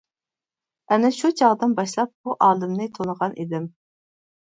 ئەنە شۇ چاغدىن باشلاپ بۇ ئالىمنى تونۇغان ئىدىم.